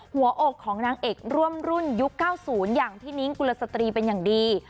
หัวอกของนางเอกร่วมรุ่นยุค๙๐อย่างพี่นิ้งกุลสตรีเป็นอย่างดี